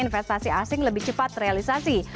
investasi asing lebih cepat terrealisasi